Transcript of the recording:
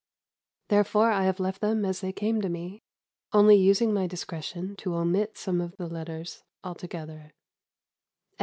Therefore I have left them as they came to me, only using my discretion to omit some of the letters altogether.